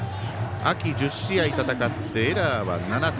秋１０試合、戦ってエラーは７つ。